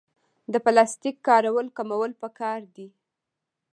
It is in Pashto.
د پلاستیک کارول کمول پکار دي